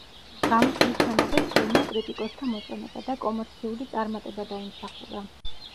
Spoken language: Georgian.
გამოსვლისთანავე ფილმმა კრიტიკოსთა მოწონება და კომერციული წარმატება დაიმსახურა.